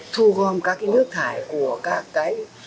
thu gom các cái nước trả của các cái